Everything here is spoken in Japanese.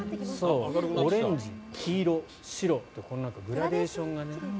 オレンジ、黄色、白ってこのグラデーションがね。